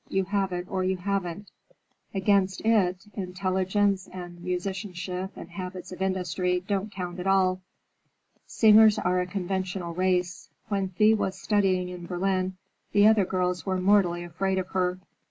You have it, or you haven't. Against it, intelligence and musicianship and habits of industry don't count at all. Singers are a conventional race. When Thea was studying in Berlin the other girls were mortally afraid of her.